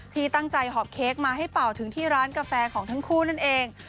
ที่ตั้งใจหอบเค้กมาให้เป่าถึงที่ร้านกาแฟของทั้งคู่นั่นเอง